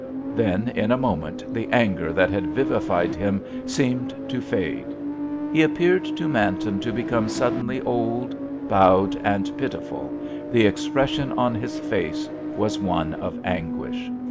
Then in a moment the anger that had vivified him seemed to fade; he appeared to Manton to become suddenly old, bowed, and pitiful, the expression on his face was one of anguish.